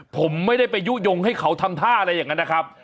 ผมไม่ได้ไปยุโยงให้เขาทำท่าอะไรอย่างนั้นนะครับ